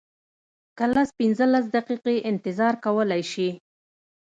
که لس پنځلس دقیقې انتظار کولی شې.